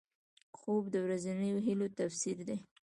خوب د ورځنیو هیلو تفسیر دی